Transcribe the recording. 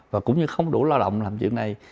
và cũng như không đủ lao động làm việc này